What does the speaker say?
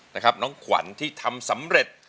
นะครับน้องขวัญที่ทำสำเร็จ